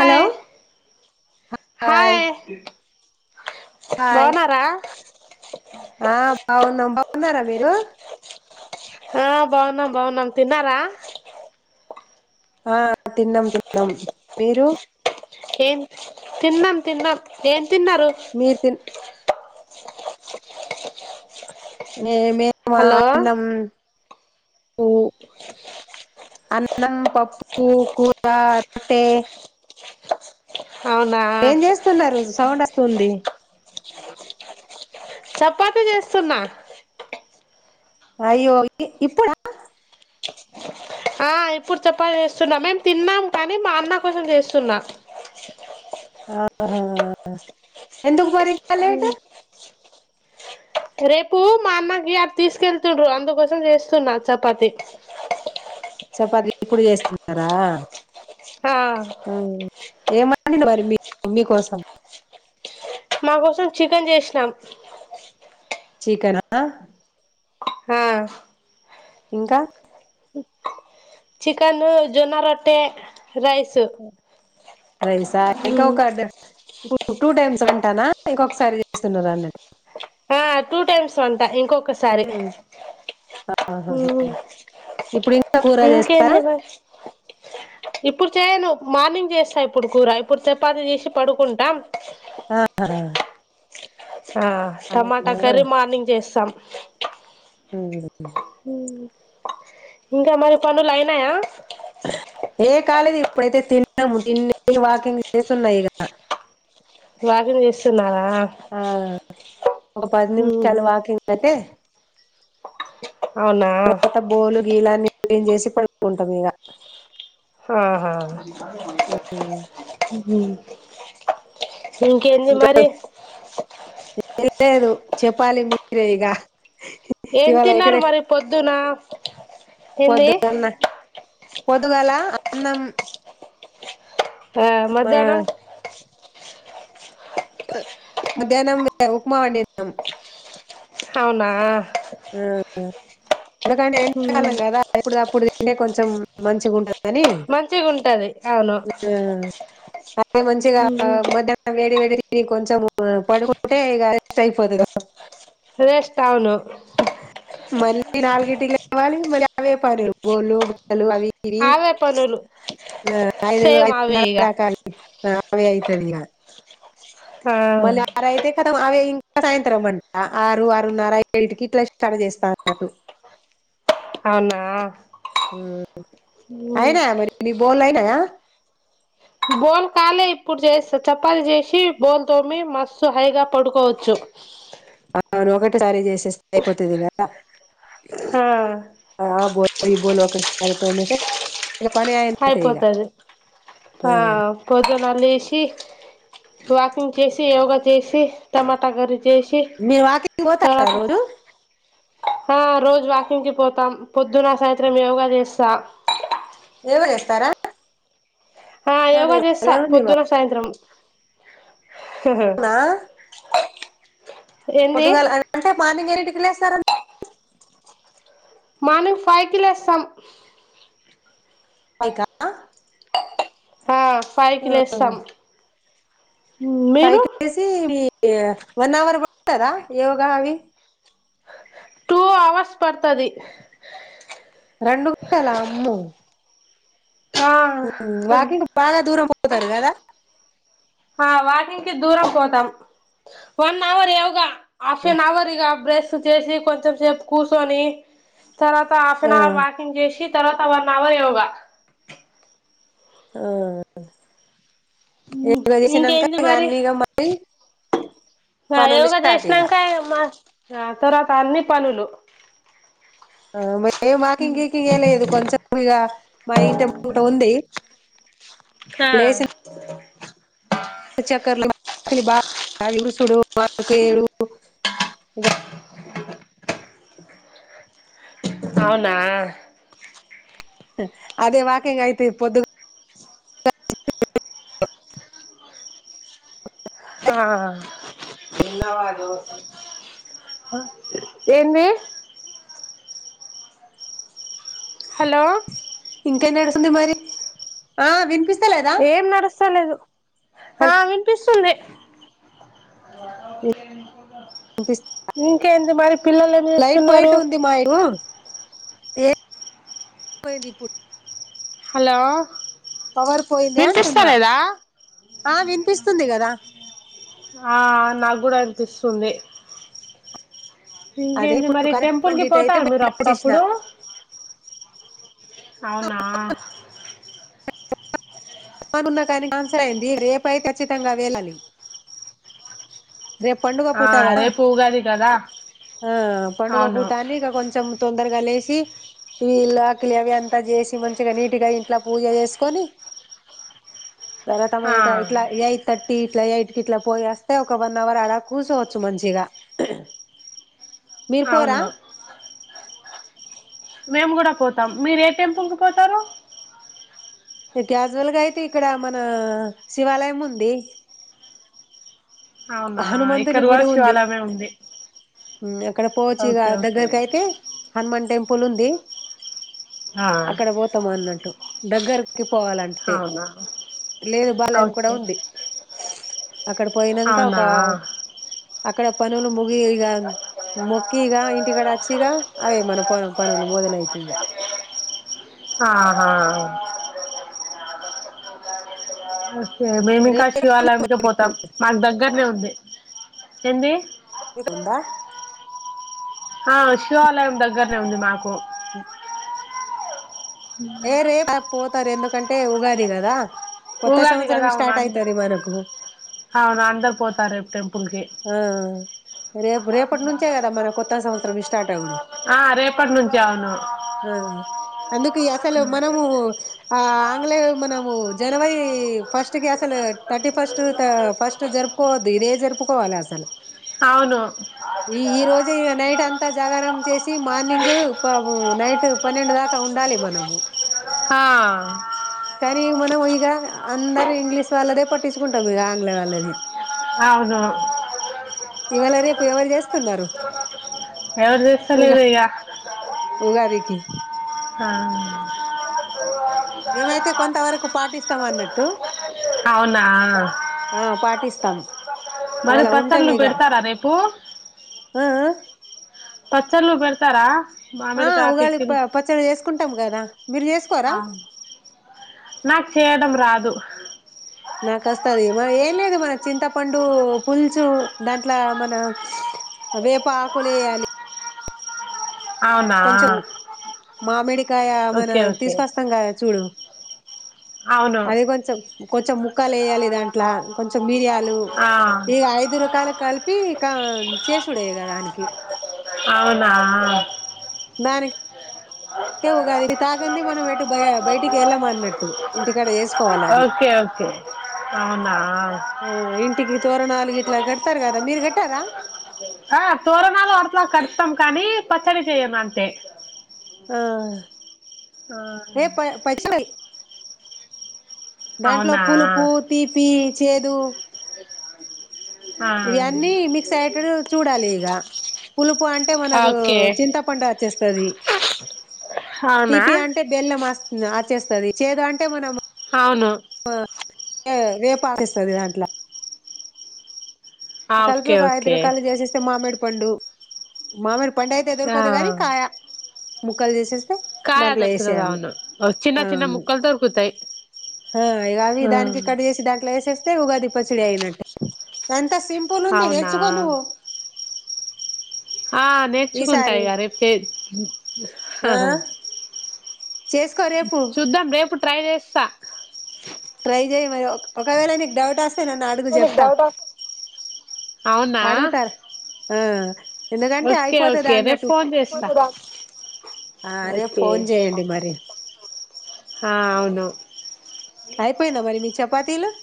Hello hi hi బావున్నారా ఆ బాగున్నాం బాగున్నారా మీరు ఆ బావున్నాం బావున్నాం తిన్నారా ఆ తిన్నాం తిన్నాం మీరు ఏం తిన్నాం తిన్నాం ఏం తిన్నారు మీరు తిన్ ఏ మే మా హలో అనం అన్నం పప్పుూ కూర రొట్టె అవునా ఏం చేస్తున్నారు సౌండ్ వస్తుంది చపాతి చేస్తున్నా అయ్యో ఇ ఇప్పుడా ఆ ఇప్పుడు చెపాతి చేస్తున్నా మేము తిన్నాము కానీ మా అన్న కోసం చేస్తున్నా ఆహా ఎందుకు మరి లేటు రేపు మా అన్నకి అది తీసుకెళ్తుండ్రు అందుకోసం చేస్తున్నా చపాతి చపాతి ఇప్పుడు చేస్తున్నారా ఆ ఏమంటడి మరి మీమ్ మీ కోసం మా కోసం చికెన్ చేషినాం చికెనా హా ఇంకా చికను జొన్న రొట్టె రైసు రైసా ఇంకా ఒక ఇప్పుడు టూ టైమ్స్ అంటానా ఇంకకసారి చేసపిస్తుండు రండి అండండి ఆ టూ టైమ్స్ వంట ఇంకొకసారి ఆహాహా మ్ ఇప్పుడు ఇంకా కూర చేస్తారా ఇంకేంది మరి ఇప్పుడు చేయను మార్నింగ్ చేస్తా ఇప్పుడు కూర ఇప్పుడు చపాతి చేసి పడుకుంటాం ఆ ఆ టమాటా క కర్రీ మార్నింగ్ చేస్తాం హ్మ్ హ్మ్ ఇంకా మరి పనులు అయినాయా ఏ కాలేది ఇప్పుడైతే తిన్నాము తిన్ని వాకింగ్ చేస్తున్నాయిగ వాగుడు చేస్తున్నావా ఆ ఒక పది ఉహు నిమిషాలు వాకింగ్ అయితే అవునా [unintelligible] బోలు గీలాని మేం చేసి పడుకుంటాం ఇక ఆహా. మ్ హుమ్ ఇంకెంది ఇంకా మరి లేదు చెప్పాలి మీరే ఇగ ఏం ఇవాళ తిన్నారు ఇక్కడే మరి పొద్దున ఏంది పొద్దుగన్న పొద్దుగాల అన్నం ఆ మధ్యాహ్నం మధ్యాహ్నం ఉప్మా వండినం అవునా హ్మ్ ఆ ఇడక ఎంకాలం కదా ఇప్పుడు అప్పుడుది అంటే కొంచెం మంచిగా ఉంట కానీ మంచిగా ఉంటది అవును అదే మంచిగా ఉహు మధ్యాహ్నం వేడి వేడి ఇ కొంచెం పడుకుంటే ఇగ అరెస్ట్ అయిపోతున్నం ప్రే ష్టటౌను ఈ నాలుగుంటి లేవాలి మళ్ళీ అవే పరుగులు బోళ్ళలు బట్టలు అవి రి అవే పనులు ఐదు సేమ్ అవే ఐదునరా ఇగ దాకా అవే అయితది ఇంగ మళ్ళ ఆ రాయితే కతం అవే ఇన్ ఇ సాయంత్రం మంట ఆరు ఆరున్నర ఎయిట్ కి ఇట్లా స్టార్ట్ చేస్తాన్నరు అవునా హ్మ్ అయినాయ మరి మీ బొల్లు అయినాయ బోల్ కాలే ఇప్పుడు చేస్త చపాతి చేసి బోల్ తోమి మస్తు హైగా పడుకోవచ్చు అవును ఒకటిసారి చేసేస్తే అయిపోతదిగద హా బొల్లు ఒక్కటి తొమేస్తే ఆయిపోతది ఆ. పోదు లేసి వాకింగ్ చేసి యోగా చేసి టమాటా గరి మీరు వాకింగ్ పోతారా రోజు ఆ రోజు వాకింగ్కి పోతాం పొద్దున సాయంత్రం యోగా చేస్తా యోగ చేస్తారా ఆ సరే యోగా చేస్తా భలే ఉంది బాబు పొద్దున సాయంత్రం అవునా ఏంది పొద్దుగాల అంటే మార్నింగ్ ఏంటికి లేసారన్ మనం ఫైవ్ కి లేస్తం ఫైవ్ కా ఫైవ్ కి లేస్తాం పై మీరు కేసి ఆ వన్ అవర్ పడత్ టారా యోగా అవి టూ అవర్స్ పడతది రెండు గుంజల అమ్ము ఆ వాకింగ్ బాగా దూరం పోతారు కదా ఆ వాకింగ్కి దూరం పోతాం one hour yoga half an hour ఇక బ్రెస్ చేసి కొంచెం సేపు కూసోని తర్వాత హాఫ్ ఆ అన్ అవర్ వాకింగ్ చేసి తర్వాత వన్ అవర్ యోగ ఆ యోగా చేసినంక ఇంకేంది ఇగ మరి అన్ని ఇగ మళ్ళీ పనులు యోగా స్టార్ట్ ఇగ చేసినంక మా ఆ తర్వాత అన్ని పనులు ఆ మర్ ఏం మాకింగ్ కీకింగ్ ఏ లేదు కొంచెం ఇక మా ఇంటి ఎంబట ఉంది హా చక్కర్లో కిలి బాగా ఉడ్సుడు కు ఏడు ఇగ అవునా అదే వాకింగ్ అయితే పొద్దుగా ఆ ఎన్ని హలో ఇంకడుస్తుంది మరి ఆ విపి ఏం నడుస్తా లేదు హా విన్పిస్తుంది [inaudible] టేంది మరి పిల్లలు ఏం లైట్ చేస్తున్నారు పోయేట్టు ఉంది మా ఇటు ఏం పోయింది ఇప్పుడ్ హలో పోయిందే అంటున్నా వినిపిస్తలేదా? ఆ వినిపిస్తుంది కదా ఆ నాకు కూడా వినిపిస్ పిస్తుంది అదే ఇంకేంటి ఇప్పుడు మరి కరెంట్ టెంపుల్ పోయింది కి ఇటు అయితే పోతారు మీరు బయట వచ్చేసిన అప్పుడప్పుడు అవునా [inaudible] కానీ కాన్సర్ అయ్యింది రేపైతే ఖచ్చితంగా వేలాలి రేపు పండుగ ఆ పూట కదా రేపు ఉగాది కదా ఆ పండుగ అవును పూట అని ఇగ కొంచెం తొందరగా లేసి ఇల్లాకిలి అవి అంతా చేసి మంచిగా నీటిగా ఇంట్ల పూజ చేసుకొని తర తమ ఆ [unintelligible] తీ ఇట్లా ఈ ఐటికి ఇట్లా పోయస్తే క వన్ అవర్ అలా కూసొవచ్చు మంచిగా మీరు పోరా అవును మేము గూడా పోతాం మీరు ఏ టెంపుల్ కు పోతారు ఈ క్యాజువల్ గా ఐతే ఇక్కడ మన శివాలయం ఉంది అవునా హనుమంతుని ఇక్కరువా శివాలయమే ఉంది [inaudible] క్కడ పోవచ్చిగ ఓకే ఓకే దగ్గరకైతే హనుమాన్ టెం పళంది ఆ అక్కడ పోతామా అన్నట్టు గర పోవాలంటే అవునా లేదు బాల ఏం కూడా ఓకే ఉంది అక్కడ పోయినాక క్క అవునా అక్కడ పనులు ముగి ఇగ మొక్కి ఇగా ఇంటికాడ వచ్చిగా అవే మన ప పనులు మొదలైత ఇగా ఆహా ఆ అ మేమి ఇంకా రేపు శివాలయంకే పోతాం మాకు దగ్గరనే ఉంది ఎంది ఉందా ఆ శివాలయం దగ్గరనే ఉంది మాకు [inaudible] ఏరే రెప్ అపో తరు ఎందుకంటే ఉగాది గదా ఉగాది గదా అవును అంద అవును అందరు పోతారుేపు టెంపుల్ కి ఆ రేపు రేపటి నుంచే గదా మన కొ ఆ రేపటి నుంచి అవును అందుకి అసలు మనము ఆ ఆంగ్లే మనము జనవరి ఫస్ట్ కి అసలు థర్టీ ఫస్ట్ ఫస్ట్ జరుపుకోవద్దు ఇదే జరుపు పోవాలసలు అవును ఈ ఈ రోజుఏ నైట్ అంతా జాగారం చేసి మార్నింగ్ పవు నైట్ పన్నెండు దాకా ఉండాలి మనము ఆ కానీ మనం ఇగ అందరు ఇంగ్లీష్ వాళ్ళదే పట్టించుకుంటాం ఇగ ఆంగ్ల వాళ్ళది అ అ ఇవాళ రేపు ఎవరు జేస్తున్నారు ఎవరు జేస్తలేరు ఇక కి ఆ మేమైతే కొంత వరకు పాటి స్తమన్నట్టు అవునా తమ్ మరి పచ్చళ్లు పెడతారా రేపు ఆ పాలు పెడతారా ఆ మామిడికాయ ఉగాది ప పచ్చడి చేస్ కుంటాం కదా మీరు చేసుకోరా ఆ నక్ చేయాడం రాదు నాక వస్తుది మ ఏం లేదు మన చింతపండు పుల్చు దాంట్లో మన వేప ఆకులు వేయాలి అవునా మామిడి కాయ మన ఓకే ఓకే తీసుకొస్తాం కదా చూడు అవును అదిగొంచం కొంచెం ముక్కలు ఎయ్యలి దాంట్ల కొంచెం మీరియ లు ఆ ఈ ఐదు రకాల కల్ చెప్పి చేసిడే కదానికి అవునా దానికి ఉగాది ఇది తాగంది మనం ఎటు బయటికి వెళ్ళమ అన్నట్టు ఇంటికాడ వసుకు ఓకే ఓకే అవునా ఆ ఇంటికి తోరణాలు ఇట్లా కడతారు కదా మీరు కట్టారా ఆ తోరణాలు అట్లా కడతాం కానీ పచ్చడి చెయ్యము అంతే ఆ ఆ ఏ పై పచ్చడి దాంట్లో అవునా పులుపు తీపి చేదు ఆ ఇగ అన్నీ మిక్స్ అయ్యేటడు చూడాలి ఇగ పులు ప్పు అంటే మనకు ఓకే చింతపండు వచ్చేస్ స్తది అవునా తీపి అంటే బెల్లం వస్ నాచ్చేస్తది చేదు అంటే మనము అవును ఏ వేపాకు వేస్తది దాంట్లో ఆ కలిపి ఓకే ఒక ఐదు ఓకే రకాలు చేసిస్తే మామిడి పండు మామిడ్ పండు అయితే ఆ దొరకదు గానీ కాయ ముక్కల్ జేసేసి కాయ దొరుకుతది అవును ఓ చిన్న చిన్న అవును ముక్కలు దొరుకుతయి ఆ హా తే ఉగాది పచ్చడి అయినట్టే ఎంత సిం హవునా ఆ నేర్చుకుంటా ఈసారి ఇగ రేపే ఆ చేసుకో రేపు చూద్దాం రేపు ట్రై జేస్తా. ట్రై జెయ్ వయో ఒకవేళ నీక్ డౌటొస్. [unintelligible] డౌటొ ఔనా. అ ఎందుకంటే అయ్పోతదా రేపు అన్నట్టు ఫోన్ చేస్తా అ అరే ఫోన్ జేయండి మరి. హా ఔను అయ్పోయిందా మరి మీ చపా పిలువ్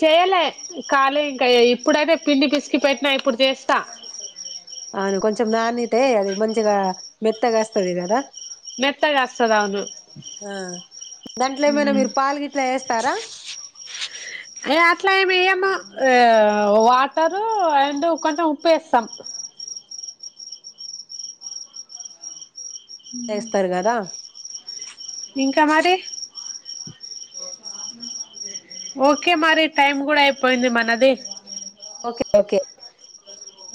చేయలే ఖాళీ ఇంకా ఇప్పుడైతే పిండి పిసికి పెట్టినా ఇప్పుడు చేస్తా అని కొంచెం నానితే అది మంచిగా మెత్తగా వస్తది కదా మెత్తగాస్తది అవును ఆ దాంట్లో ఏమైనా మీరు పాలు గిట్లా వేస్ తర అయ్ అట్ల ఏమెయ్యము ఏ వాటరు అండ్ కొంచెమ్ ఉప్పేస్తాం. జేస్తరు గదా ఇంక మరి ఓకే మరి టైం గూడైపోయింది మనది. Okay okay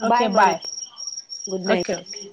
okay bye good night okay ఒకే.